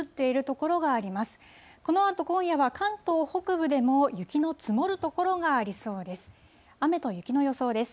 このあと、今夜は関東北部でも雪の積もる所がありそうです。